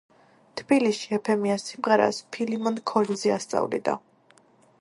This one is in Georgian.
თბილისში ეფემიას სიმღერას ფილიმონ ქორიძე ასწავლიდა.